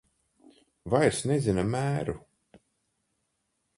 Vairs nezina mēru.